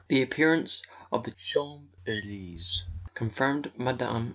The appearance of the Champs Elysees confirmed Mme.